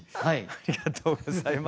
ありがとうございます。